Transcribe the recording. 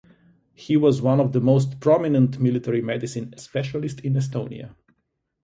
He was one of the most prominent military medicine specialist in Estonia.